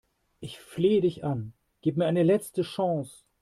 Ich flehe dich an, gib mir eine letzte Chance!